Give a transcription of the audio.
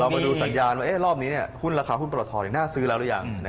มาดูสัญญาณว่ารอบนี้หุ้นราคาหุ้นปลดทอน่าซื้อแล้วหรือยัง